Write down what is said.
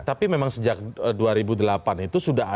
tapi memang sejak dua ribu delapan itu sudah ada